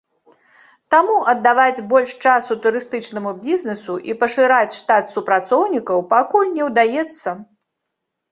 Таму аддаваць больш часу турыстычнаму бізнесу і пашыраць штат супрацоўнікаў пакуль не ўдаецца.